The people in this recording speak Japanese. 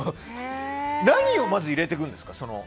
何を入れていくんですか？